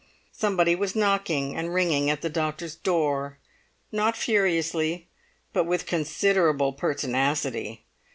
Somebody was knocking and ringing at the doctor's door, not furiously, but with considerable pertinacity.